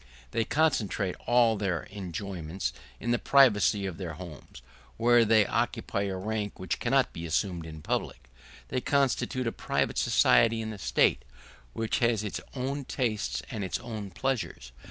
They concentrate all their enjoyments in the privacy of their homes, where they occupy a rank which cannot be assumed in public; and they constitute a private society in the State, which has its own tastes and its own pleasures.